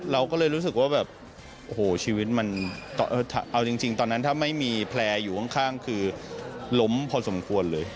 เราก็เลยรู้สึกว่าแบบโอ้โหชีวิตมันเอาจริงตอนนั้นถ้าไม่มีแผลอยู่ข้างคือล้มพอสมควรเลย